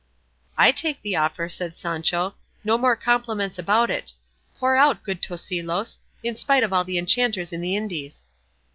"I take the offer," said Sancho; "no more compliments about it; pour out, good Tosilos, in spite of all the enchanters in the Indies."